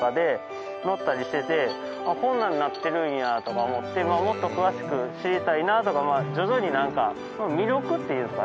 こんなんなってるんやとか思ってもっと詳しく知りたいなとか徐々になんか魅力っていうんですかね